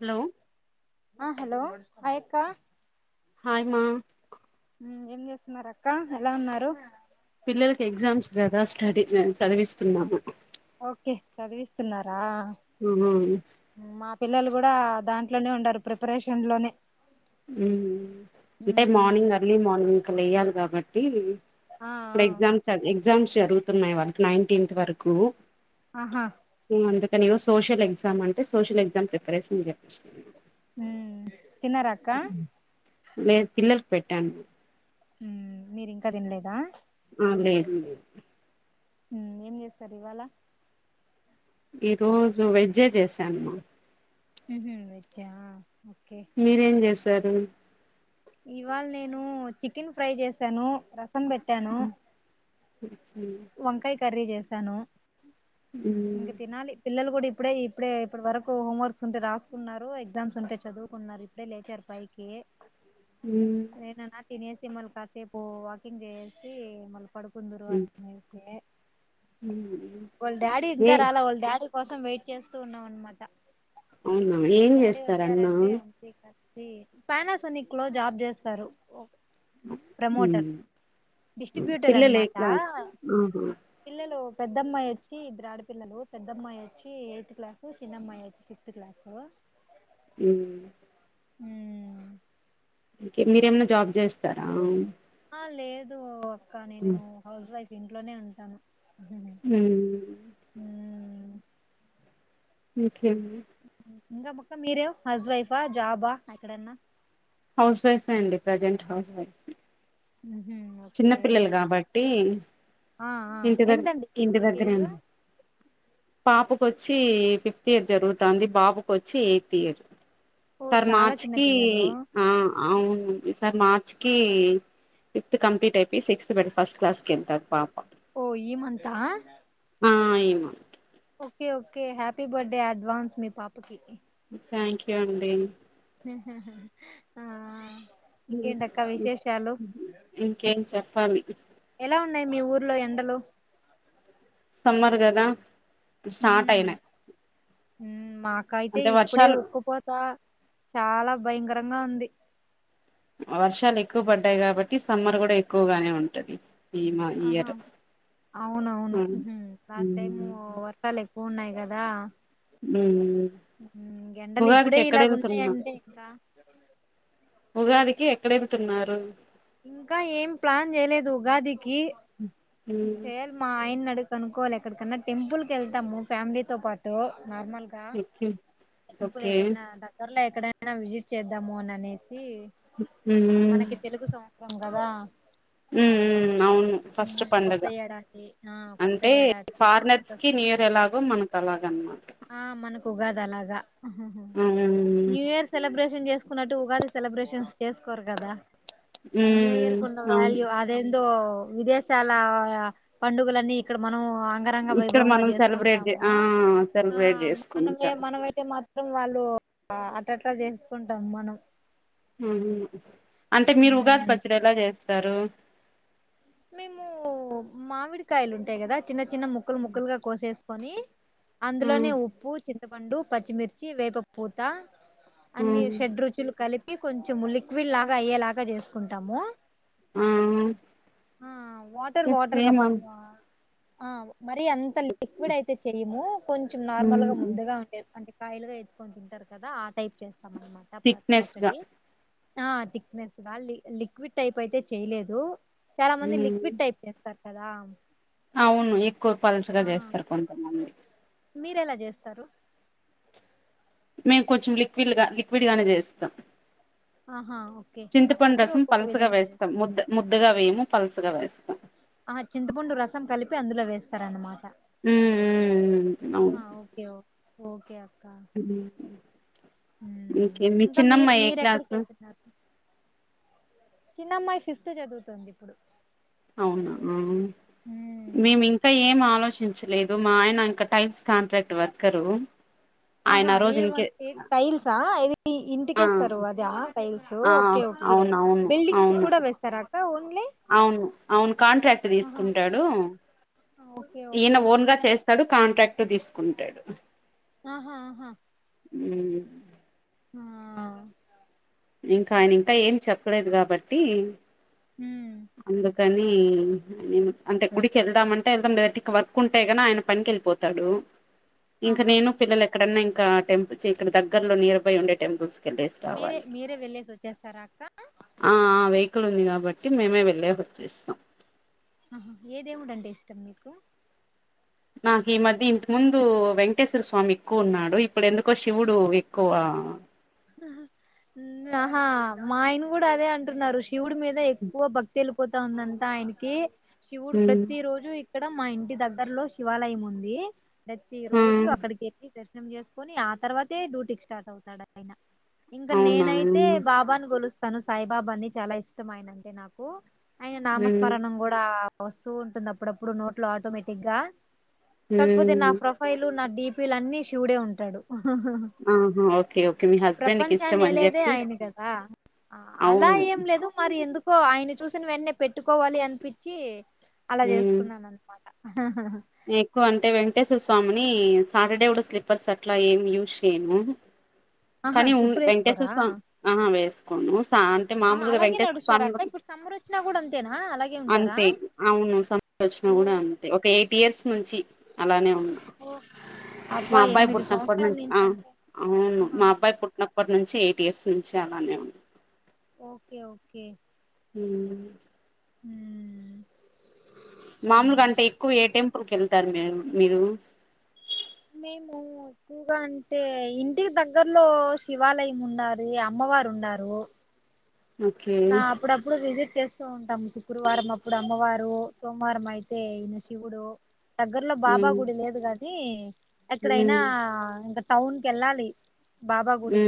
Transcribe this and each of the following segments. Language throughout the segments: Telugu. హలో హలో హలో క్క హేయ్ మా ఏం చేస్తున్నారు అక్క ఎలా ఉన్నారు పిల్లలకి ఎగ్జామ్స్ కదా స్టడీ మే చదివిస్తున్నాము ఓకే చదివిస్తున్నారు ఆ మా పిల్లలు కూడా దాంట్లోనే ఉండారు ప్రిపరేషన్ లోనే అంటే మ్మ్ మార్నింగ్ అర్లీ మార్నింగ్ ఇంకా లేవాలి కాబట్టి ఆ ఆప్పుడు ఆ ఎగ్జామ్ చ ఎగ్జామ్స్ జరుగుతున్నాయి వాళ్ళకి నైన్టీన్త్ వరకు ఆహా కానీ ఈ రోజు సోషల్ ఎగ్జామ్ అంటే సోషల్ ఎగ్జామ్ ప్రిపరేషన్ చెప్పపిస్తుంది మ్మ్ తినారక్క నేను పిల్లలకు పెట్టాను మీరి ఇంకా తినలేదా ఆ లేదు ఏం చేస్తారు ఇవాళ ఈ రోజు వెజ్జే చేసామ్మా మ్మ్ హూ వెజ్జ మీరేం చేస్తారు ఇవాళ నేను చికెన్ ఫ్రై చేశాను ర రసం పెట్టాను వంకాయ కర్రీ చేస్తాను తను ఇంకా తినాలి పిల్లలు కూడా ఇప్పుడే ఇప్పుడే ఇప్పుడు వరకు హోంవర్క్స్ ఉంటే రాసుకున్నారు ఎగ్జామ్స్ ఉంటే చదువుకున్నారు ఇప్పుడే లేచారు పైకి పోన తినేసి మని కాసేపు వాకింగ్ చేసి మ పడు కుందరువాకు వాళ డాడీ ఇంకా ఏ రాలా వల డాడ కోసం వెయిట్ చేస్తూ ఉన్నాం అన్మాట అవునా ఏం జేస్తార్ అన్న ది పనస్ [unintelligible] సోనీక్లో జాబ్ జేస్తారు ప్రమోటర్ ఉమ్ డిస్ట్రిబ్యూటర్ పిల్లలు ఏ అనమాట క్లాస్ ఆహా పిల్లలు పెద్దమ్మాయి వచ్చి ఇద్దరు ఆడపిల్లలు పెద్దమ్మాయి వచ్చి ఎయిత్ క్లాసు చిన్నమ్మాయి వచ్చి ఫిఫ్త్ క్లాసు ఊ ఊ ఇంకేమ్ మీరేమన్నా జాబ్ జేస్తారా ఆ లేదు అక్క నేను హౌజ్ వైఫ్ ఇంట్లోనే ఉంటాను మ్మ్ ఊ ఉ మ్మ్ ఇంగా మొక్క మీరు హౌజ్ వైఫా జాబా ఎక్కడన్నా హౌస్ వైఫే అండి ప్రజెంట్ హౌస్ వైఫ్ మ్మ్ చిన్న ఓకే పిల్లలు గాబట్టి ఆ ఆ ఇంటి దగ్ ఎంతండి ఇంటి పిల్లల కేజు దగ్గరేండి పాపకొచ్చి ఫిఫ్ తీర్ జరుగుతాంది బాబుకొచ్చి ఎయిత్ ఇయర్ ఓ సర్ చాలా చిన్న మార్చికిి పిల్లలు ఆ అవును ఈ సార్ మార్చకి ఫిఫ్ త్ కంప్లీట్ ఐపెయి సిక్స్త్ బడి ఫస్టక్లాస్ కి ఎల్తాది పాప ఓ ఈమంతా ఆ ఈమ okay okay happy birthday advance మీ పాపకి థ్యాంక్ యూ అండి ఆ ఇంకేంటక్క విశేషాలు ఇంకేం చప్ పలి ఎలా ఉన్నాయి మీ ఊర్లో ఎండలు సమ్మర్ గదా స్టార్ట్ అయినయి ఉమ్ మాక్ కయితే ఇప్పుడే ఉక్కుపోతా చాలా భయంకర రంగా ఉంది వర్షాలు ఎక్కువ పడ్డాయి కాబట్టి సమ్మర్ గుడా ఎక్కువగానే ఉంటది ఈ మా ఆహా ఇయర్ అవునవును ఉమ్ ఉహు లాస్ట్ టైము ఉమ్ వర్షా లెక్ వున్నాయి గదా ఉమ్ ఉహు ఎండలు ఉగాదికి ఇప్పుడే ఎక్కడ ఇలాగ్ ఉంటాయి వెళ్తున్నా అంటే ఇంకా ఉగాదికి ఎక్కడెంత తున్నారు ఇంకా ఏం ప్లాన్ చేయలేదు ఉగాదికి ఉమ్ చేేల్ మా ఆయన్డుకు కనుకోవాలి ఎక్కడికన్నా టెంపుల్ క వెళ్తాము ఫ్యామిలీతోో పాటు నార్మల్గా ఓకే టెంపులు ఓకే ఏదైనా దగ్గర్లో ఎక్కడైనా విజిట్ చేద్దాము అని అనే ఉమ్ మనకి తెలుగు సంత్స్రం అదా ఉ అవును ఫస్ట్ ప కొత్త పడుగ ఏడాది ఆ కొత్త అంటే ఏడాది కొత్త ఫారినర్స్ కి నియర్ సంవత్సరం ఎలాగో మనకు అలాగ అనమాట క్కుగాదలాగా న్యూ ఇయర్ సెలిబ్రషన్ న్ చేసుకున్నట్టు ఉగాది సెలబ్రేషన్ చేసుకోరు కదా న్యూ ఇయర్ ఉన్న అవును వల్్యూ అదే విదేశాల పండుగలన్నీ ఇక్కడ మ మన అంగరంగ ఇక్కడ వైభవంగా మనం సెలబ్రేట్ చేసుకుంటాము ఆ ఆ సెలబ్రేట్ మనే చేసుకుంటా మనమైతే మాం వాళ్ళు అట అట్లా చేసుకుంటాం మనం అంటే మీరు ఉగాది మ్మ్ పచ్చడి ఎలా చేస్తారు సారు మేము మామిడికాయలు ఉంటాయి కదా చిన్న చి చిన్న ముక్కులు ముక్కులుగా కోసేస్త కొనీ అందులోనే ఉప్పు చిన్న పెద్ద పండు పచ్చిమిిర్చి వేప పూతా అన్ని షెడ్ రుచులు కలిపి కొంచము లిక్విడ్ లాగా అయ్యేలాగా చేసుకుంటాము ఆ ఆ వాటర్ వాటర్ సేమ్ కప్పు ఆ మరి అంత లిక్విడ్ అయితే చెయ్యము కొంచెం నార్మల్ గా ముందుగా ఉండేది అంటే కాయలుగా ఎత్కొని తింటారు కదా ఆ టైప్ చేస్తారు ప్పమన మాట ప థిక్నెస్ గా పచ్చడి ఆ థిక్నెస్గా లిక్విడ్ టైప్ అయితే చేయలేదు చాలా మంది లిక్విడ్ టైప్ చేస్తారు అదా అవును ఎక్కువ పలుసుుగా చేస్తారు కొంతమంది మీర ఎలా చేస్తారు మేము కొంచెం లిక్విడ్ గా లిక్విడ్ గానే చేస్తాం ఆహా ఓకే చింతపండు ఒక్కొక్కరు రసం ఒక్కొక్క పలుసగా విధంగా చేస్తారు వేస్తాం ముద్ద ముద్దగా వేయము పలుసగా వేస్తాం ఆహా చింతపండు రసం కలిపి అందులో వేస్తార అన్నమాట ఉమ్ ఉమ్ ఆహా ఓకే ఓకే ఓకే అ ఇంకా మీరు ఏ మీరెక్కడికి క్లాసు వెళ్తున్నారు చిన్నమ్మాయి ఫిఫ్త్ చదువుతుంది ఇప్పుడు అవునా మేమి ఇంకా ఏం ఆలోచన చలేదు మా ఆయన ఇంకా టైల్స్ కాంట్రాక్ట్ వర్కరు ఆయన ఆహా ఆ రోజు ఏ ఇంకే వర్ టైల్సాది ఇంటిక ఆ వేస్తారు అద టైల్స్ ఆ ఓకే ఓకే అవును అవును బిల్డింగ్స్ అవును కూడా వేస్తారా అక్క అవును అవును కాంట్రాక్ట్ తీసుకుంటాడు ఓన్లీఓ ఈయన ఓన్ గా చేస్తాడు కాంట్రాక్ట్ తీసుకుంటాడు ఆహా ఆహా ఉ ఆ ఇంకా ఆయన ఇంకా ఓకే ఏమి చెప్పలేదు కాబట్టి [inaudible] హ అందుకని అంటే గుడికి వెళ్దామంటే వెళ్దాం లేదటికి వర్క్ ఉంటే న ఆయన పనికి వెళ్ళిపోతాడు ఇంకా ఆహా నేను పిల్లలు ఎక్కడన్నా ఇం ఇ టెంపుల్ ఇక్క దగ్గర లో నియర్ బై ఉండే టెంపుల్స్ మీరే స్ట్వాలి మీరే వెళ్ళేసి వచ్చేస్తారా అక్క ఆ ంది బట్ మేమే వెళ్లే వచ్చేస్తాం ఆహా ఏదేముడంంటడి ఇష్టం మీకు నాకు ఈ మధ్య ఇంత ముందు వెంకటేశ్వర స్వామి ఎక్కువ ఉన్నాడు ఇప్పుడు ఎందుకో శివుడు ఎక్కువ ఆహా మా ఆయన కూడా అదే అంటున్నారు రఋషి శివుడు మీద ఎక్కువ భక్తిలు పోతా ఉందంతా ఆయనకి శివుడు ప్రతి రోజు ఇక్కడ మా ఇంటి దగ్గరలో శివాలయం ఉంది ప్రతి రోజు అక్కడికి వెళ్ళి చేసుకుొని ఆ తర్వాతే డ్యూటీకి స్టార్ట్ అవుతాడు అయినా ఇంక అవునా నేనైతే బాబాని గలుస్తా తను సాయిబాబ అని చాలా ఇష్టం ఆయన అంటే నాకు ఆయన ఉమ్ నామస్మరణ కూడా వస్తూ ఉంటుంది అప్పుడప్పుడు నోట్లు ఆటోమేటిక్ గా కాకపోతే నా ఉమ్ ప్రొఫైలు నా డీప్ వీళ్ళన్నీ శివుడే ఉంటాడు ఆహా ఓకే ఓకే మీ హస్బెండ్ కి ఇష్టం ప్రపంచాన్ని అని లేదే చెప్పి ఆయన కదా అలా అవును ఏం లేదు మరి ఎందుకో ఆయన చూసిిన వెంటనే పెట్టుకోవాలి అనిపించి అలా ఉమ్ చేసుకున్నాను అనమాట ఎక్కువ అంటే వెంక స్వామిని సాటర్డే లో స్లీపర్స్ అట్లా ఏం యూస్ చేయను ఆహా కానీ ఉ వెేంకటేశ్వర చెప్పులేసుకోరా స్వామి ఆ వేస్ అవును అంటే ఆ మామూలుగా అలాగే వెంకటేశ్వర నడుస్తారా స్వామినీ అక్క కూడా ఇప్పుడు సమ్మర్ వచ్చినా కూడా అంతేనా అలాగే ఉంటారా అంతే అవును స మ్మార్ కూడా ఓహో అంతే ఒకే ఎయి నుంచి అలానే ఉన్న మా అబ్బా అబ్బాయి ఎనిమిది పుట్టినప్పటి సంవత్సరాల నుంచి అంటే అవును ఆహా మా అబ్బాయి పుట్టినప్పటి నుంచి ఎయిట్ ఇయర్స్ నుంచి అలానే ఉన్న ఓకే ఓకే హు హు మామూలుగా అంటే ఎక్కువ ఏ టెంపుల్ కి వెళ్తారు మీరు మీరు మేము ఎక్కువగా అంటే ఇంటికి దగ్గర్లో శివాలయం ఉన్నాది. అమ్మవారు ఉన్నారు. ఓకే నా అప్పుడప్పుడు విజిట్ చేస్త వస్తూ ఉంటాము. శుక్రవారం అప్పుడు అమ్మవారు సోమవారం అయితే ఇగ శివుడు దగ్గరలో బాబా ఉమ్ గుడి లేదు కాదా ఏ ఎక్కడైనా ఉమ్ ఇంకా టౌన్ కి ఏళ్ళాలి ఉ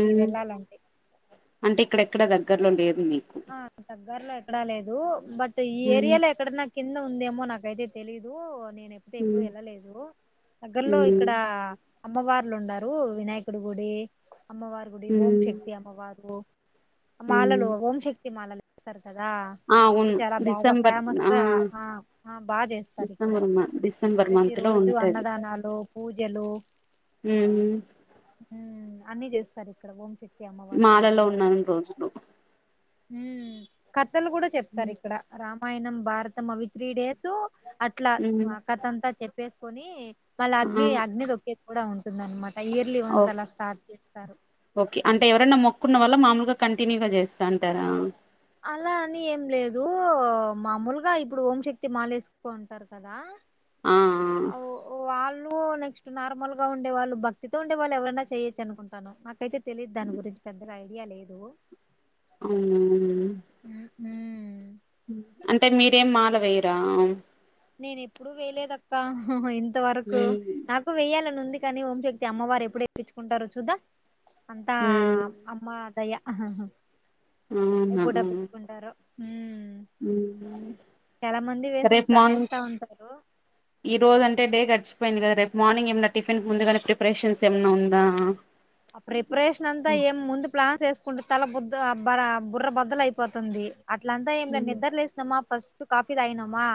అంటే ఇక్కడెక్కడ దగ్గరలో లేదు మీకు ఆ దగ్గరలో ఎక్కడా లేదు బట్ సో ఈ ఉమ్ ఏరియాలో ఎక్కడ నా కింద ఉందేమో నాకైతే తెలీదు నేను ఎప్పుతే ఉమ్ ఎప్పుడు వెళ్ళలేదు దగ్గర్లో ఉమ్ ఇక్కడ అమ్మవార్లు ఉండరు వినాయకునీ గుడి అమ్మవారీ గుడి ఓం ఉమ్ శక్తి అమ్మవారు ఉమ్ మాలలు ఓం శత్తి మాాలలు ఏస్తార్ కదా ఆ అప్పుడు అవును చాలా బాగా డిసెంబర్ ఆ ఫేమస్గా ఆ బాగా చేస్తారు. ఇక్కడ డిసెంబర్ మ డిసెంబర్ ప్రతి మంత్ లో రోజు అన్నదానాలు పూజలు హ్ ఉమ్ అన్ని చేస్తారు ఇక్కడ ఓం శక్తి మాలలో ఉన్నాన్నీ రోజులు క పెద్దలు కూడా చెప్తారు ఇక్కడ రామ్ రామాయణం భారతం అవి త్రీ డేస్ అట్లా ఉమ్ మా కతంటా చెప్పేసి కొని మళ్ళ అగ్ని అగ్ని దొక్కేది కూడా ఉంటుంది న్నమాట ఓ ఓకే అంటే ఎవరనా మొక్కున్న వల్ళ మామలుగా కంటిన్యూగా చేస్తాంటారా అలా అని ఏం లేదు మామూలుగా ఇప్పుడు ఓంశక్తి మాలేసుకోంటారు కదా ఆ ఆ అ వాళ్ళ డు నెక్స్ట్ నార్మల్ గా ఉండే వాళ్ళు భక్తితో ఉండే వాళ్ళు ఎవరైనా చేయొచ్చు అనుకుంటాను నాకైతే తెలియదు దాని గురించి పెద్దగా ఐడియా లేదు అవు అంటే మీరేం మాల వేయరా నేన ఎప్పుడుూ వేలేదక్క ంత వరకు నాకు వెయ్యాలనుంది కానీ ఓంశక్తి అమ్మవారు ఎప్పుడుేప్పుంటారు చూద్దా అంతా ఉమ్ అమ్మ దయ ఆహాహా అవునా ఉమ్ హమ్ రేపు వేసుంటా మార్నింగ్ వేస్తా ఉంటారు ఈ రోజ అంటే డే ఖర్చు యింది కదా రేపు మార్నింగ్ ఏమ టిఫిన్ కు ముందుగానే ప్రిపరేషన్స్ ఏమన్నా ఉందా ఆ ప్రిపరేషన్ అంతా ఏం ముందు ప్లాన్ చేసుకుంటే తల బద్ బ బుర్ర బద్దల అయిపోతుంది అట్లంతా ఏం ఉమ్ నిద్రలేసినమా ఫస్ట్ కాఫీ తాయనమా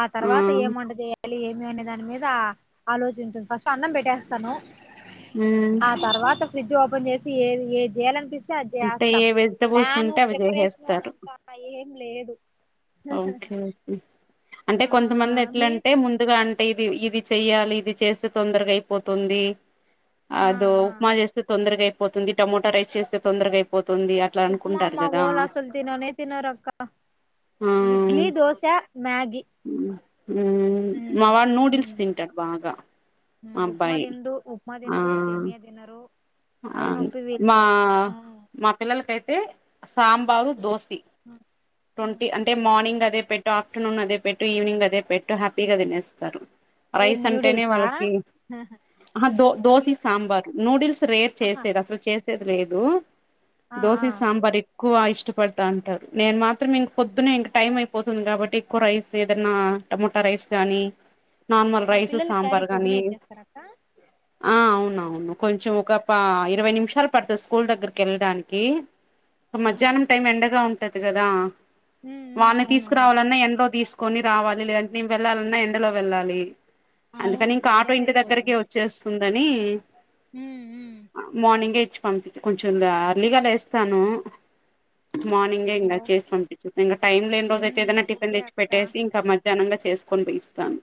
ఆ తర్వాత ఏమంవాంటా చ్యాలి ఏమి అనే దాని మీద ఆలోచించుంది ఫస్ట్ అన్నం పెట్టేస్తాను హమ్ ఫడ్జ్ ఓపెన్ చేసి ఏ చేయాల అనిపిస్తుంది అంటే చేస్తాం ఏ వెజిటబుల్స్ ప్లాను ఉంటే అవి ప్రిపరేషన్ అనంత ఏం లేదు ఓకేఓకే అంటే ఆ కొంతమంది మీ ఎట్లంటే ముందుగా అంటే ఇది ఇది చెయ్యాలి ఇది చేస్తే తొందరగా అయిపోతుంది ఆ అదో ఆ ఉప్మా చేస్తే తొందరగై పోతుంది టమోటా రైస్ చేస్తే తొందరగాయిపో ఉప్మా మా ఓల్ అసలు తిననే తినరు అక్క ఆ ఇడ్లీ దోశ మ్యాగి మ్ ఉ మావాడు ఉ నూడిల్స్ తింటాడు బాగా ఉ మా ఉప్మా అబ్బాయి తిన్రు ఉప్మా ఆ దినరు సేమ్య దినరు ఉ ఆ మా మా పిల్లలకై ఏ సాంబారు దోసి ట్వంటీ అంటే మార్నింగ్ అదే పెట్టు ఆ ఆఫ్టర్నూన్ అదే పెట్టు ఈవినింగ్ అదే పెట్టు హ్యాపీగా తినేస్తారు ఏ రైస్ అంటేనే న్యూడిల్సా వాళ్ళకి ఆ దో దోసి సాంబార్ నూడిల్స్ రేట్ ఆహా చేసేది అసలు చే చేసేది లేదు ఆ దో సి సాంబార్ ఇ ఎక్కువ ఇష్టపడతా అంటారు నేను మాత్రం ఇంక పొద్దున్నే ఇంక టైం అయిపోతుంది కాబట్టి ఎక్కువ రైస్ ఏదన్న టమటా రైస్ గానీ నార్మల్ ఆ రైస్ పిల్లలు క్యారీ సాంబార్ గానీ పొద్దునే ఇచ్చేస్తార అక్క ఆ అవునా అవును కొంచెం ఒక ఆ ఇరవై నిమిషాలు పడుతది స్కూల్ దగ్గరకి కేళ్ళడానికి ఒక ఆహా మధ్యాహ్నం టైం ఎండగా ఉం పట్టతుకదా ఉమ్ ఉమ్ వాళ్ని అవునవును తీసుకురావాలన్నా ఎండ్లో తీసు కొని రావాలి లేదంటే నేము వెళ్లాలన్నా ఎండలో వెళ్ళాలి అందుకని అవును ఇంకా ఆటో బెజార్ ఇంటి దగ్గరకి వచ్చేస్తుందని నీ ఉ ఉ మార్నింగే ఇచ్చి పంపిచి కొంచెం అర్లీగా లేస్తాను మార్నింగే ఓ ఇంగా చేసి పనిపించేసి ఇంగ టైమ్ లేని రోజైతే ఉమ్ ఏదన్న టిఫన్ ఓకే తెచ్చి అక్క పెట్టేసి ఇంకా మధ్యాహ్నంగా చేసుకొని పోయిస్తాను